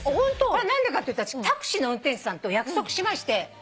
これは何でかっていうとタクシーの運転手さんと約束しまして。